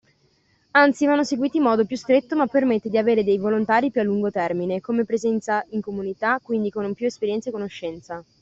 Anzi vanno seguiti in modo più stretto ma permette di avere dei volontari più a lungo termine come presenza in comunità, quindi con più esperienza e conoscenza.